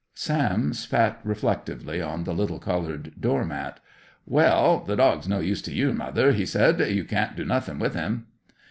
Sam spat reflectively on the little coloured door mat. "Well, the dog's no use to you, mother," he said. "You can't do nothin' with him."